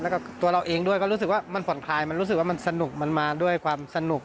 แล้วก็ตัวเราเองด้วยก็รู้สึกว่ามันผ่อนคลายมันรู้สึกว่ามันสนุกมันมาด้วยความสนุก